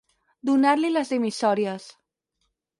Donar-li les dimissòries.